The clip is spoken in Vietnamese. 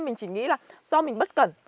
mình chỉ nghĩ là do mình bất cẩn